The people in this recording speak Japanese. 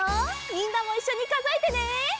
みんなもいっしょにかぞえてね！